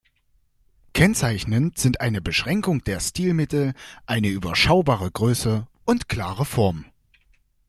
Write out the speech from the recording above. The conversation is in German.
Kennzeichnend sind eine Beschränkung der Stilmittel, eine überschaubare Größe und klare Formen.